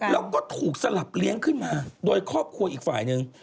แล้วก็ถูกสลับเลี้ยงขึ้นมาโดยครอบครัวอีกฝ่ายหนึ่ง